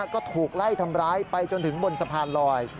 ก็ถูกไล่ทำร้ายไปจนถึงบนสะพานลอย